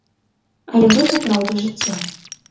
Але гэта праўда жыцця.